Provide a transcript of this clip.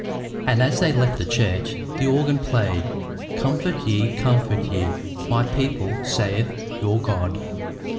And as they left the church the organ played, "Comfort ye, comfort ye, my people, saith your God."